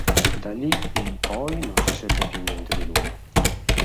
Da lì in poi non si seppe più niente di lui.